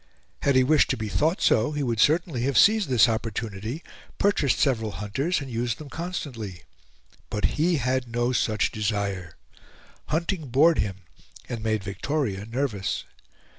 Had he wished to be thought so he would certainly have seized this opportunity, purchased several hunters, and used them constantly. But he had no such desire; hunting bored him, and made Victoria nervous.